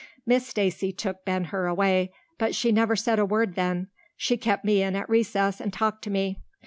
Miss Stacy took Ben Hur away, but she never said a word then. She kept me in at recess and talked to me.